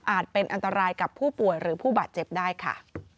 เป็นอันตรายกับผู้ป่วยหรือผู้บาดเจ็บได้ค่ะ